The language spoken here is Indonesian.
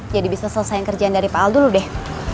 jadi bisa selesaikan kerjaan dari pak al dulu deh